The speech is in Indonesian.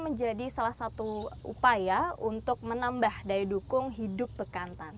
menjadi salah satu upaya untuk menambah daya dukung hidup bekantan